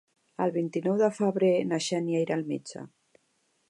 El vint-i-nou de febrer na Xènia irà al metge.